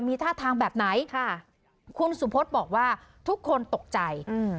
มีท่าทางแบบไหนค่ะคุณสุพธบอกว่าทุกคนตกใจอืม